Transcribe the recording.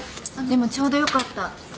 でもちょうどよかった。